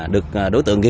được đối tượng kia